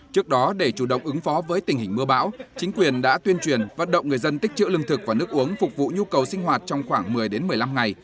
trước đó để chủ động ứng phó với tình hình mưa bão chính quyền đã tuyên truyền vận động người dân tích trữ lương thực và nước uống phục vụ nhu cầu sinh hoạt trong khoảng một mươi một mươi năm ngày